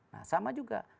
nah sama juga